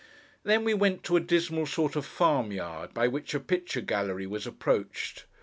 Then, we went to a dismal sort of farm yard, by which a picture gallery was approached.